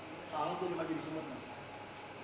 pak ahok juga lagi disuruh mas